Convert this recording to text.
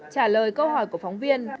trả lời câu hỏi của phóng viên